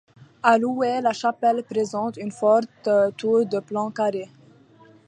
À l'ouest, la chapelle présente une forte tour de plan carré.